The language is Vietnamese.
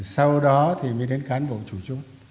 sau đó thì mới đến cán bộ chủ chốt